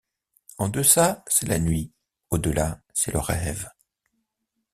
En deçà, c’est la nuit ; au-delà, c’est le rêve.